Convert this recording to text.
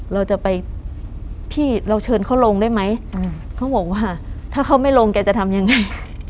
เราจะไปพี่เราเชิญเขาลงได้ไหมเขาบอกว่าถ้าเขาไม่ลงแกจะทำยังไง